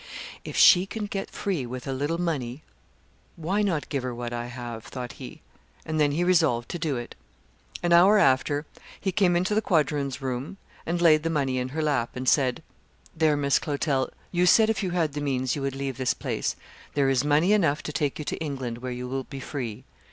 "If she can get free with a little money, why not give her what I have?" thought he, and then he resolved to do it. An hour after, he came into the quadroon's room, and laid the money in her lap, and said, "There, Miss Clotel, you said if you had the means you would leave this place; there is money enough to take you to England, where you will be free.